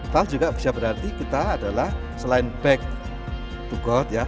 tahu juga bisa berarti kita adalah selain back to god ya